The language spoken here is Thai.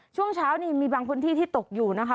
ช่วงเช้านี่มีบางพื้นที่ที่ตกอยู่นะคะ